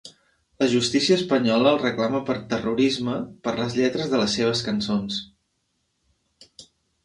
La justícia espanyola el reclama per ‘terrorisme’ per les lletres de les seves cançons.